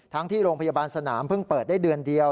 ที่โรงพยาบาลสนามเพิ่งเปิดได้เดือนเดียว